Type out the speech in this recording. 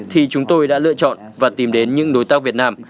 thì chúng tôi đã lựa chọn và tìm đến những đối tác việt nam